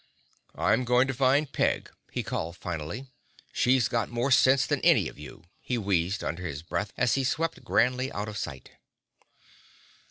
"I'm going to find Peg," he called finally. "She's got more sense than any of you," he wheezed under his breath as he swept grandly out of sight.